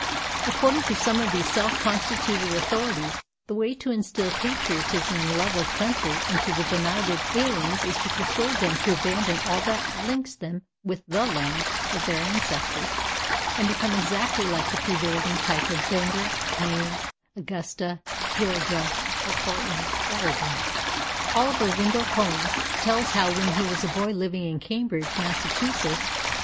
According to some of these self constituted authorities the way to instill patriotism and love of country into the benighted aliens is to persuade them to abandon all that links them with the land of their ancestors, and become exactly like the prevailing type of Bangor, Maine, Augusta, Georgia, or Portland, Oregon. Oliver Wendell Holmes tells how when he was a boy living in Cambridge, Mass.